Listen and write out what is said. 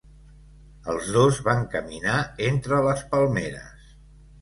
Els dos van caminar entre les palmeres.